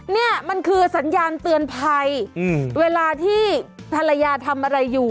เนี่ยมันคือสัญญาณเตือนภัยเวลาที่ภรรยาทำอะไรอยู่